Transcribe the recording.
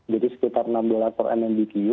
jadi sekitar enam dolar per nmdq